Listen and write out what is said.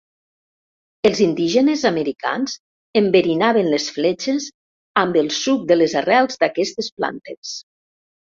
Els indígenes americans enverinaven les fletxes amb el suc de les arrels d'aquestes plantes.